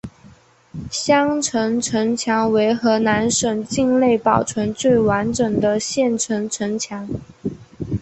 襄城城墙为河南省境内保存最完整的县城城墙。